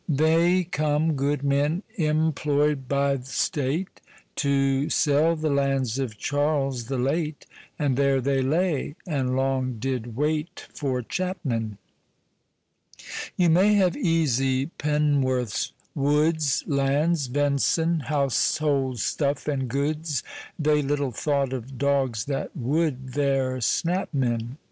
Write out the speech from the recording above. They come, good men, imploi'd by th' State To sell the lands of Charles the late. And there they lay, and long did waite For chapmen. You may have easy pen'worths, woods, Lands, ven'son, householdstuf, and goods, They little thought of dogs that wou'd There snap men.